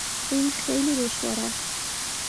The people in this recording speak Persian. این خیلی دشوار است.